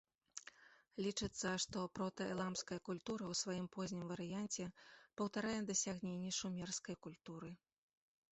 Лічыцца, што прота-эламская культура ў сваім познім варыянце паўтарае дасягненні шумерскай культуры.